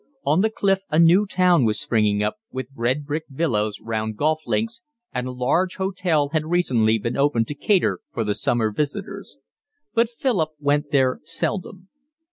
On the cliff a new town was springing up, with red brick villas round golf links, and a large hotel had recently been opened to cater for the summer visitors; but Philip went there seldom.